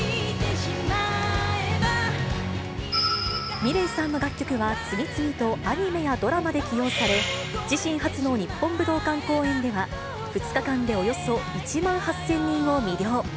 ｍｉｌｅｔさんの楽曲は、次々とアニメやドラマで起用され、自身初の日本武道館公演では、２日間でおよそ１万８０００人を魅了。